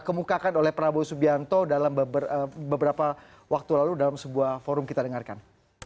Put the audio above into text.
kemukakan oleh prabowo subianto dalam beberapa waktu lalu dalam sebuah forum kita dengarkan